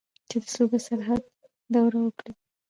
چې د صوبه سرحد دوره وکړي.